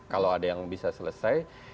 kalau ada yang bisa selesai